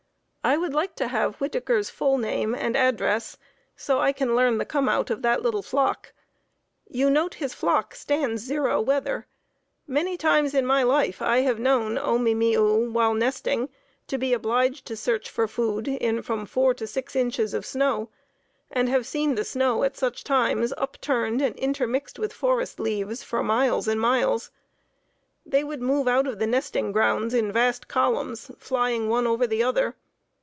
I would like to have Whittaker's full name and address so I can learn the come out of that little flock. You note his flock stands zero weather. Many times in my life I have known O me me oo, while nesting, to be obliged to search for food in from four to six inches of snow, and have seen the snow at such times upturned and intermixed with forest leaves for miles and miles. They would move out of the nesting grounds in vast columns, flying one over the other.